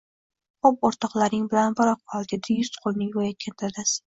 Xo`p, o`rtoqlaring bilan boraqol, dedi yuz-qo`lini yuvayotgan dadasi